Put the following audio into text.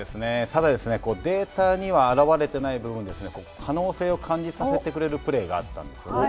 ただデータには表れてない部分ですね可能性を感じさせてくれるプレーがあったんですよね。